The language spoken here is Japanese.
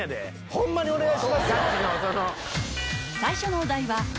ホンマにお願いしますよ。